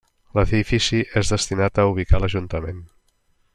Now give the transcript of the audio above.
L'edifici és destinat a ubicar l'ajuntament.